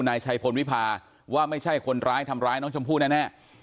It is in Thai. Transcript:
นายชัยพลวิพาว่าไม่ใช่คนร้ายทำร้ายน้องชมพู่แน่